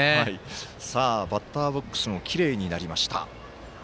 バッターボックスもきれいになりました。